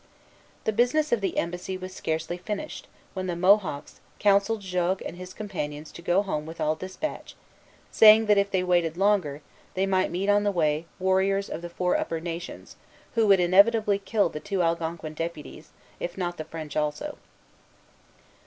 The business of the embassy was scarcely finished, when the Mohawks counselled Jogues and his companions to go home with all despatch, saying, that, if they waited longer, they might meet on the way warriors of the four upper nations, who would inevitably kill the two Algonquin deputies, if not the French also.